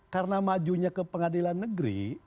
karena majunya ke pengadilan negeri